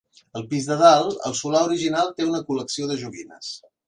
Al pis de dalt, el solar original té una col·lecció de joguines.